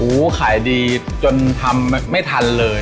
โอ้โหขายดีจนทำไม่ทันเลย